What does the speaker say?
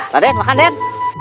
raden makan raden